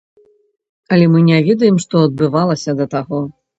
Але мы не ведаем, што адбывалася да таго.